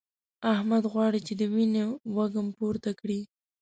احمد غواړي چې د وينو وږم پورته کړي.